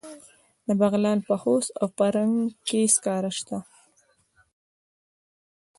د بغلان په خوست او فرنګ کې سکاره شته.